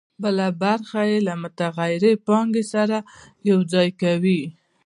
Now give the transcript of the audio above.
بله برخه یې له متغیرې پانګې سره یوځای کوي